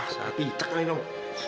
sati tekan aja dong